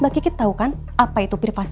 mbak kiki tahu kan apa itu privasi